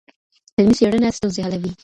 علمي څېړنه ستونزي حلوي.